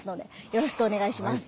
よろしくお願いします。